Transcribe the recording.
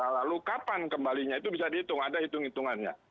lalu kapan kembalinya itu bisa dihitung ada hitung hitungannya